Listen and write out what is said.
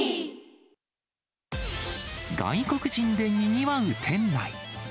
外国人でにぎわう店内。